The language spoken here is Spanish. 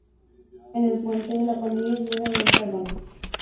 En el puente, la pandilla llega y entra al banco.